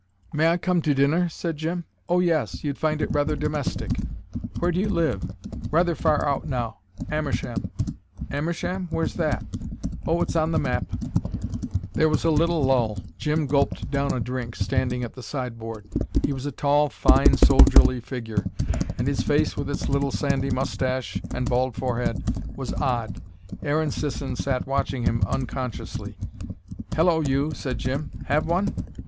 "May I come to dinner?" said Jim. "Oh, yes. You'd find it rather domestic." "Where do you live?" "Rather far out now Amersham." "Amersham? Where's that ?" "Oh, it's on the map." There was a little lull. Jim gulped down a drink, standing at the sideboard. He was a tall, fine, soldierly figure, and his face, with its little sandy moustache and bald forehead, was odd. Aaron Sisson sat watching him, unconsciously. "Hello you!" said Jim. "Have one?"